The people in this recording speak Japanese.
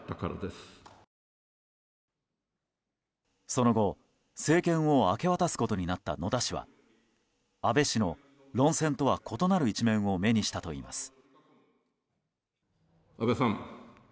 その後、政権を明け渡すことになった野田氏は安倍氏の、論戦とは異なる一面を目にしたといいます。